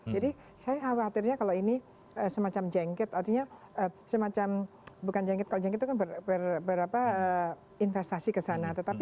jadi saya khawatirnya kalau ini semacam jengket artinya semacam bukan jengket kalau jengket itu kan berapa investasi kesana